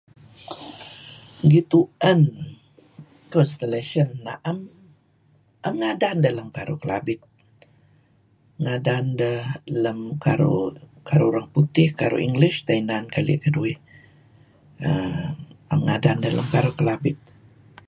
Gituen, constellation aem ngadan deh lam karuh Kelabit. Ngadn dah lam karuh Orang Putih, karuh English inan leli' keduih uhm am ngadan dah lam karuh Kelabit.